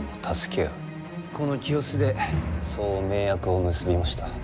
この清須でそう盟約を結びました。